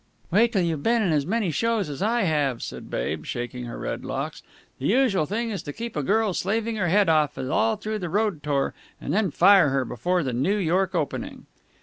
"Wait till you've been in as many shows as I have," said Babe, shaking her red locks. "The usual thing is to keep a girl slaving her head off all through the road tour and then fire her before the New York opening."